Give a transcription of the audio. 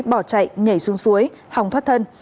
bỏ chạy nhảy xuống suối hòng thoát thân